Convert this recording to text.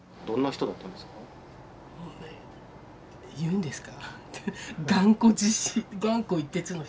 言うんですか？